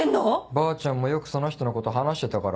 ばあちゃんもよくその人のこと話してたから。